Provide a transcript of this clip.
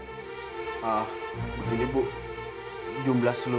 kalian sudah hitung berapa orang peminjam yang sudah mengembalikan uang kita sama si alec